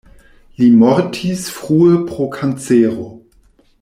Li mortis frue pro kancero.